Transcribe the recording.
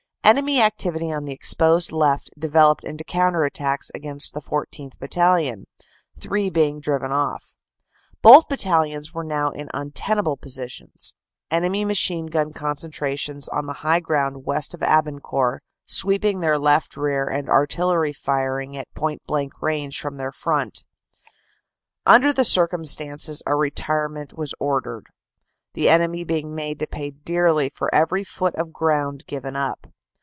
Enemy activity on the exposed left developed into counter attacks against the 14th. Battalion, three being driven off. Both battalions were now in untenable positions, enemy machine gun concentrations 263 264 CANADA S HUNDRED DAYS on the high ground west of Abancourt sweeping their left rear and artillery firing at point blank range from their front. Under the circumstances a retirement was ordered, the enemy being made to pay dearly for every foot of ground given up.